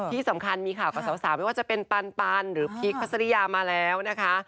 ที่สำคัญมีข่าวกับสาวไม่ว่าจะเป็นปันหรือพีคพัสริยามาแล้วนะคะ